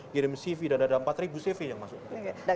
kirim cv dan ada empat ribu cv yang masuk